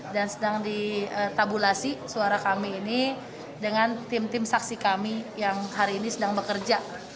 dan sedang ditabulasi suara kami ini dengan tim tim saksi kami yang hari ini sedang bekerja